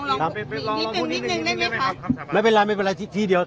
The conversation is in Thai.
ถามไปลองดูนิดนึงได้ไหมครับไม่เป็นไรไม่เป็นไรที่เดียว